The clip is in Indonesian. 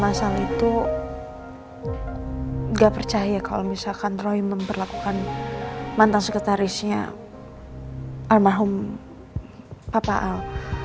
mama sama sal itu gak percaya kalau misalkan roy memperlakukan mantan sekretarisnya almarhum papa al